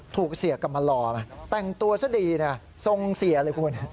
ถูกเสียกลับมารอแต่งตัวซะดีทรงเสียเลยคุณ